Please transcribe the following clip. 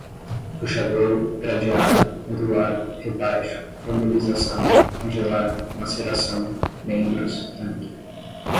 puxador, gradeada, modular, rebaixo, formolização, congelar, maceração, membros, tanque